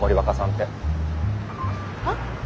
はっ？